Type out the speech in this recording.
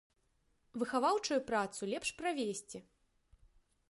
Выхаваўчую працу лепш правесці.